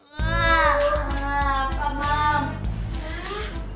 mak apa emak